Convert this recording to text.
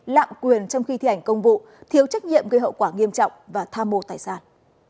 lạm quyền trong khi thi hành công vụ thiếu trách nhiệm gây hậu quả nghiêm trọng và tha mô tài sản